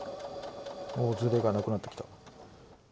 おおずれがなくなってきた。